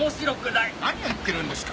何を言ってるんですか。